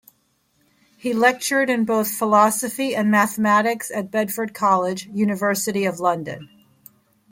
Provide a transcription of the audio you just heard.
He lectured in both Philosophy and Mathematics at Bedford College, University of London.